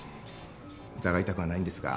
疑いたくはないんですが